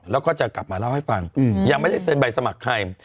แล้วก็จะกลับมาเล่าให้ฟังยังไม่ได้เซ็นใบสมัครใคร